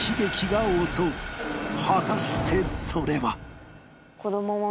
果たしてそれは